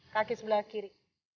kaki sebelah kiri